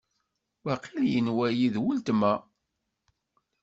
Waqil yenwa-yi d uletma.